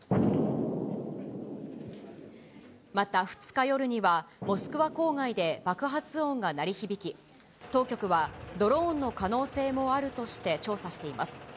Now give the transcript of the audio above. また２日夜には、モスクワ郊外で爆発音が鳴り響き、当局はドローンの可能性もあるとして調査しています。